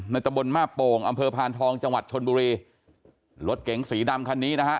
ตะบนมาโป่งอำเภอพานทองจังหวัดชนบุรีรถเก๋งสีดำคันนี้นะฮะ